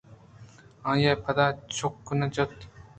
آئیءَ پدا چک نہ جت